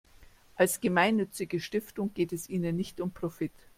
Als gemeinnützige Stiftung geht es ihnen nicht um Profit.